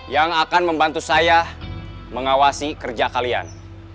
yang akan membantu saya mengawasi kerja kalian